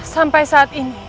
sampai saat ini